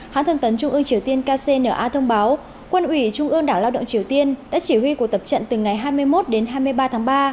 hãng thông tấn trung ương triều tiên kcna thông báo quân ủy trung ương đảng lao động triều tiên đã chỉ huy cuộc tập trận từ ngày hai mươi một đến hai mươi ba tháng ba